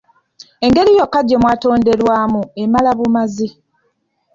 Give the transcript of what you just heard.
Engeri yokka gye mwatonderwamu emala bumazi.